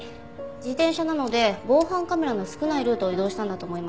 自転車なので防犯カメラの少ないルートを移動したんだと思います。